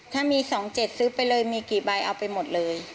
ถ้ามี๒๗ซื้อไปเลยมีกี่ใบเอาไปหมดเลย